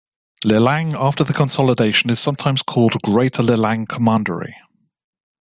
Lelang after the consolidation is sometimes called "Greater Lelang commandery".